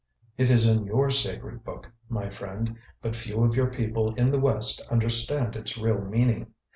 "It is in your sacred Book, my friend; but few of your people in the West understand its real meaning.